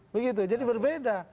begitu jadi berbeda